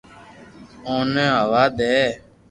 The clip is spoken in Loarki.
اوني ھووا دي